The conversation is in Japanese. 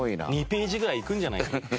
２ページぐらいいくんじゃない？